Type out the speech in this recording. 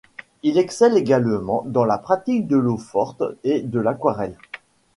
Il excelle également dans la pratique de l'eau-forte et de l'aquarelle.